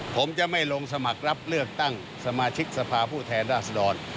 ผมจะไม่ลงสมัครรับเลือกตั้งสมาชิกสภาผู้แทนราษดร